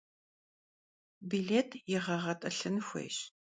Bilêt yêğeğet'ılhın xuêyş.